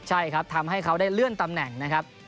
ใช่ครับทำให้เขาได้เลื่อนตำแหน่งนะครับ